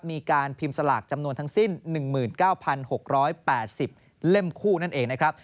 มีการพิมพ์สลากจำนวนทั้งสิ้น๑๙๖๘๐เล่มคู่นั่นเองนะครับ